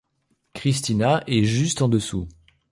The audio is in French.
Christina est juste en dessous.